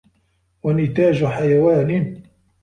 وَنِتَاجُ حَيَوَانٍ